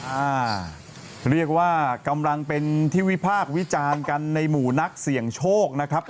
อ่าเรียกว่ากำลังเป็นที่วิพากษ์วิจารณ์กันในหมู่นักเสี่ยงโชคนะครับ